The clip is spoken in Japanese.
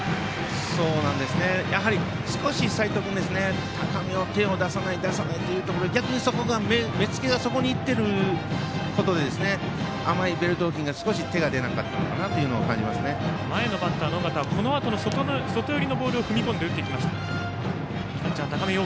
やはり少し、齋藤君は高めには手を出さないというところで逆に目付けがそこに行っていることで甘いベルト付近が手が出なかったかなと前のバッターの尾形は外寄りのボールを踏み込んで打っていきました。